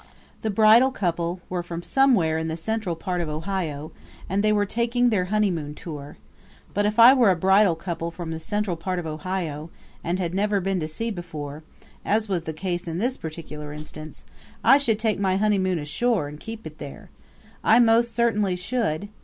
The bridal couple were from somewhere in the central part of Ohio and they were taking their honeymoon tour; but, if I were a bridal couple from the central part of Ohio and had never been to sea before, as was the case in this particular instance, I should take my honeymoon ashore and keep it there. I most certainly should!